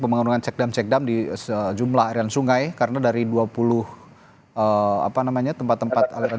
pemenangan cek dam cek dam di sejumlah area sungai karena dari dua puluh apa namanya tempat tempat aliran